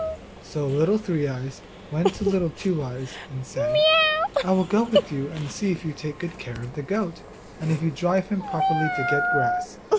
So Little Three eyes went to Little Two eyes and said, 'I will go with you and see if you take good care of the goat, and if you drive him properly to get grass.